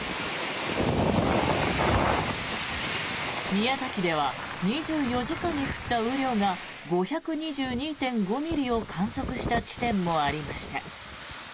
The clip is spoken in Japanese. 宮崎では２４時間に降った雨量が５２２．５ミリを観測した地点もありました。